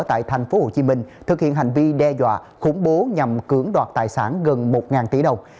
tại thành phố hồ chí minh thực hiện hành vi đe dọa khủng bố nhằm cưỡng đoạt tài sản gần một tỷ đồng